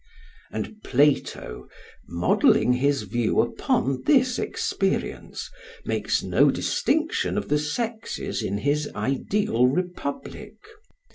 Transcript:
And Plato, modelling his view upon this experience, makes no distinction of the sexes in his ideal republic.